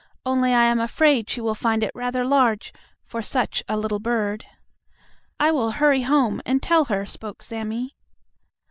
"Only I am afraid she will find it rather large for such a little bird." "I will hurry home and tell her," spoke Sammie.